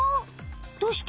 どうして？